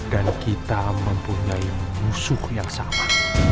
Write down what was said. dan kita mempunyai musuh yang sama